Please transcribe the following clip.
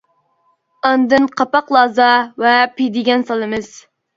ئاندىن قاپاق لازا ۋە پىدىگەن سالىمىز.